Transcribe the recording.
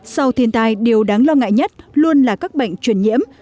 sau thiên tai điều đáng lo ngại nhất luôn là các bệnh truyền nhiễm